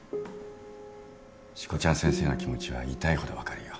しこちゃん先生の気持ちは痛いほど分かるよ。